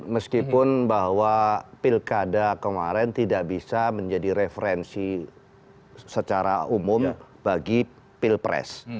meskipun bahwa pilkada kemarin tidak bisa menjadi referensi secara umum bagi pilpres